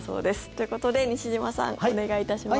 ということで、西島さんお願いいたします。